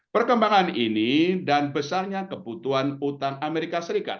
perkembangan ini dan besarnya kebutuhan utang as